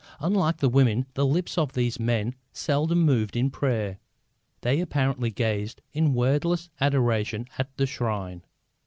Unlike the women, the lips of these men seldom moved in prayer; they apparently gazed in wordless adoration at the shrine.